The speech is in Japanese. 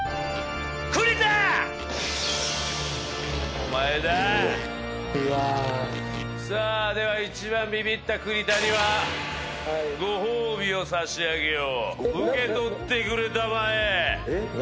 お前だうわさあでは一番ビビった栗田にははいご褒美を差し上げようえっ何受け取ってくれたまえ何？